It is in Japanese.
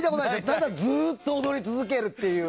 ただずっと踊り続けるっていう。